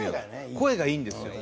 声がいいんですよ。